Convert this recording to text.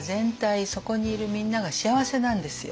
そこにいるみんなが幸せなんですよ。